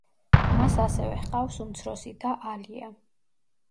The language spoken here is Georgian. მას ასევე ჰყავს უმცროსი და ალია.